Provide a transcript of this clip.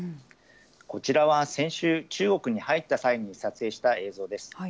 こちらは先週、中国に入った際に撮影した映像です。